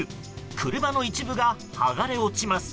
車の一部が剥がれ落ちます。